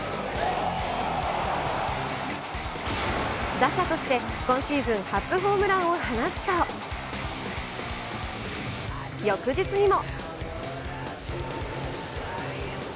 打者として今シーズン初ホームランを放つと、翌日にも。